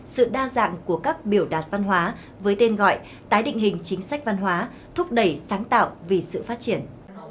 sự đa dạng của các biểu đạt văn hóa với tên gọi tái định hình chính sách văn hóa thúc đẩy sáng tạo vì sự phát triển